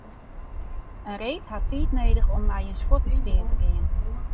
In reed hat tiid nedich om nei jins fuotten stean te gean.